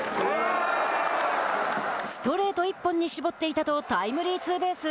ストレート一本に絞っていたとタイムリーツーベース。